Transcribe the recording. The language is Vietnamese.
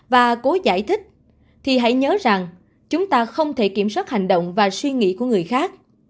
và cố giải thích thì hãy nhớ rằng chúng ta không thể kiểm soát hành động và suy nghĩ của người khác